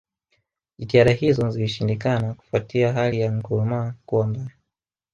Jitihada hizo zilishindikana kufuatia hali ya Nkrumah Kuwa mbaya